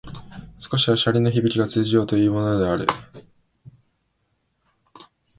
少しは洒落のひびきが通じようというものである